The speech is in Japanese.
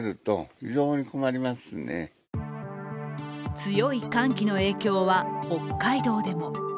強い寒気の影響は北海道でも。